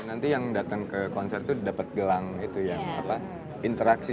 nanti yang datang ke konser itu dapat gelang itu ya interaksi